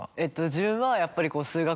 自分はやっぱり。